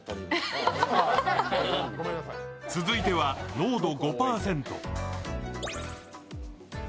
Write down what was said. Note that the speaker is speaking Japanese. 続いては濃度５％。